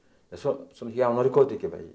その批判を乗り越えていけばいい。